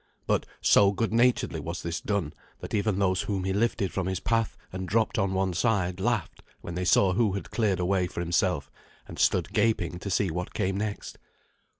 But so good naturedly was this done, that even those whom he lifted from his path and dropped on one side laughed when they saw who had cleared a way for himself, and stood gaping to see what came next.